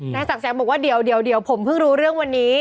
ศักดิ์แสงบอกว่าเดี๋ยวผมเพิ่งรู้เรื่องวันนี้